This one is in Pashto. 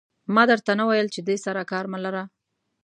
ما در ته نه ویل چې دې سره کار مه لره.